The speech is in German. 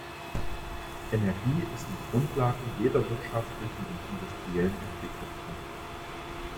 Energie ist die Grundlage jeder wirtschaftlichen und industriellen Entwicklung.